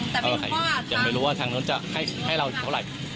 แต่ไม่รู้ว่ายังไม่รู้ว่าทางนั้นจะให้ให้เราเท่าไร